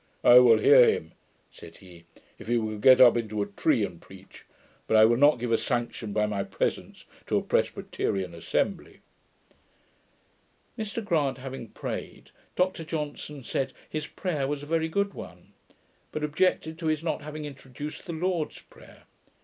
'I will hear him,' said he, 'if he will get up into a tree and preach; but I will not give a sanction, by my presence, to a Presbyterian assembly.' Mr Grant having prayed, Dr Johnson said, his prayer was a very good one; but objected to his not having introduced the Lord's Prayer.